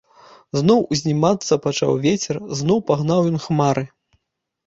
Зноў узнімацца пачаў вецер, зноў пагнаў ён хмары.